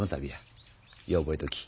よう覚えとき。